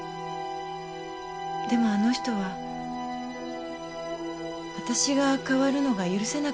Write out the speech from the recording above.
でもあの人はあたしが変わるのが許せなかったみたい。